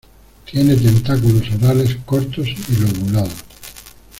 Tiene tentáculos orales cortos y lobulados.